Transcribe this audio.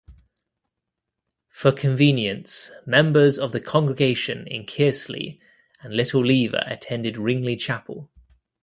For convenience, members of the congregation in Kearsley and Little Lever attended Ringley Chapel.